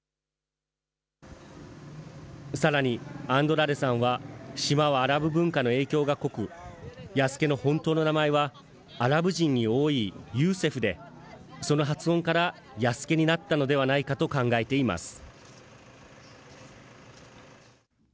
さらに、アンドラデさんは、島はアラブ文化の影響が濃く、弥助の本当の名前は、アラブ人に多いユーセフで、その発音からヤスケになったのではないかと考えています。